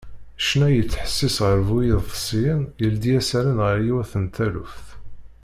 Ccna i yettḥessis γer bu iḍebsiyen yeldi-as allen γer yiwet n taluft.